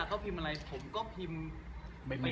ที่พูดงั้นไปต่อที่เรื่องว่า